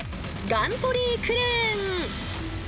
ガントリークレーン。